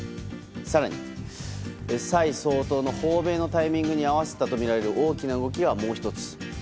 更に、蔡総統の訪米のタイミングに合わせたとみられる大きな動きが、もう１つ。